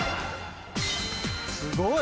すごい！